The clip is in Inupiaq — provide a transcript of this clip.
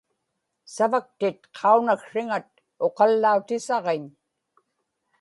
savaktit qaunaksriŋat uqallautisaġiñ